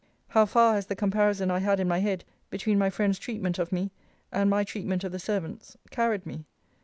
How far has the comparison I had in my head, between my friends treatment of me, and my treatment of the servants, carried me!